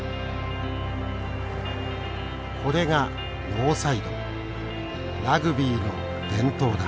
これがノーサイドラグビーの伝統だ。